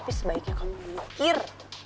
tapi sebaiknya kamu mikir